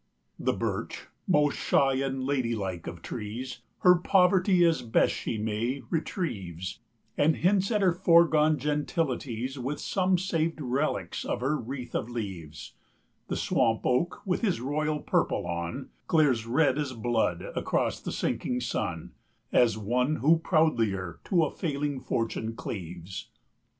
The birch, most shy and ladylike of trees, 50 Her poverty, as best she may, retrieves, And hints at her foregone gentilities With some saved relics of her wealth of leaves; The swamp oak, with his royal purple on, Glares red as blood across the sinking sun, 55 As one who proudlier to a falling fortune cleaves.